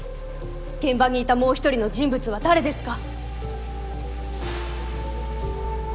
現場にいたもう１人の人物は誰ですか？